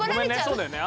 そうだよね。